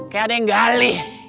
kayak ada yang gali